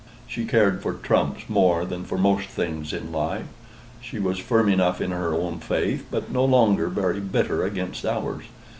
She cared for trumps more than for most things in life. She was firm enough in her own faith, but no longer very bitter against ours.